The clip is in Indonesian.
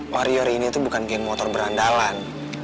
warrior ini itu bukan geng motor berandalan